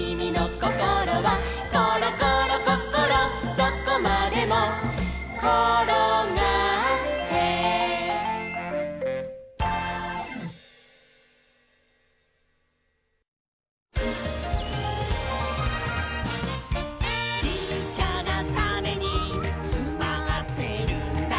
どこまでもころがって」「ちっちゃなタネにつまってるんだ」